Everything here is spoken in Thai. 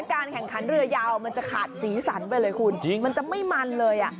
การแข่งขันเรือยาวมันจะขาดสีสันไปเลยคุณมันจะไม่มันเลยอ่ะ